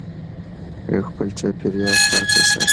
خپل چاپېریال پاک وساتئ.